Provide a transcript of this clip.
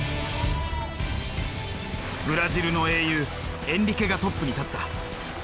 ブラジルの英雄エンリケがトップに立った。